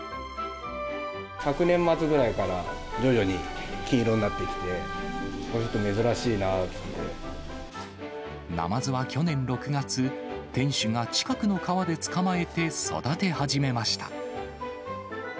昨年末くらいから徐々に金色になってきて、ナマズは去年６月、店主が近くの川で捕まえて、育て始めました。